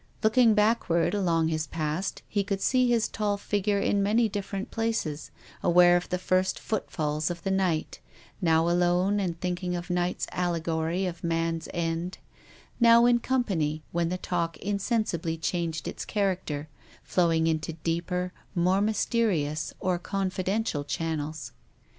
' Looking backward along his past he could see his tall figure in many different places, aware of the first footfalls of the night, now alone and thinking of night's allegory of man's end, now in company, when the talk insensibly changed its character, flowing into deeper, more mysterious or confidential channels.